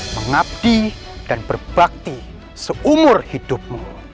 mengabdi dan berbakti seumur hidupmu